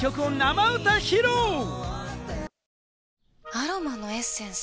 アロマのエッセンス？